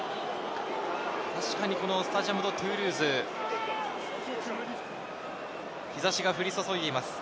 確かにスタジアム・ド・トゥールーズ、日差しが降り注いでいます。